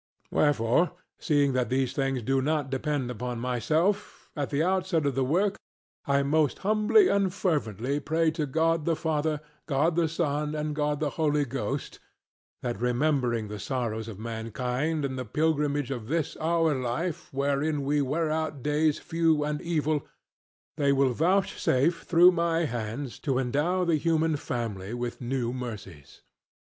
Wherefore, seeing that these things do not depend upon myself, at the outset of the work I most humbly and fervently pray to God the Father, God the Son, and God the Holy Ghost, that remembering the sorrows of mankind and the pilgrimage of this our life wherein we wear out days few and evil, they will vouchsafe through my hands to endow the human family with new mercies.